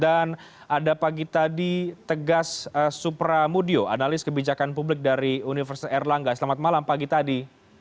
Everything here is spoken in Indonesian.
dan ada pak gita di tegas supra mudio analis kebijakan publik dari universitas erlangga selamat malam pak gita di